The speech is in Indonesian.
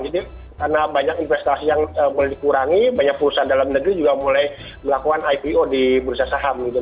jadi karena banyak investasi yang boleh dikurangi banyak perusahaan dalam negeri juga mulai melakukan ipo di perusahaan saham gitu